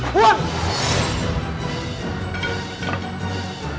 พูด